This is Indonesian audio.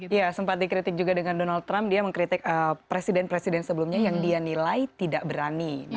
iya sempat dikritik juga dengan donald trump dia mengkritik presiden presiden sebelumnya yang dia nilai tidak berani